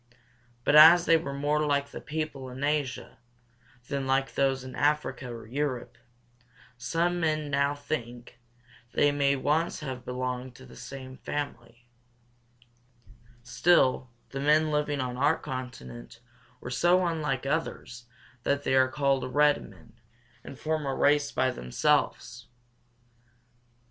But as they were more like the people in Asia than like those in Africa or Europe, some men now think they may once have belonged to the same family. [Illustration: A Savage Indian.] Still, the men living on our continent were so unlike others that they are called red men, and form a race by themselves.